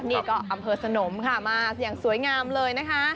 นี่ก็อำเภอสนมค่ะมาอย่างสวยงามเลยนะคะ